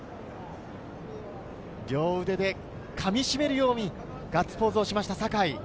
両腕でかみしめるようにガッツポーズをしました坂井。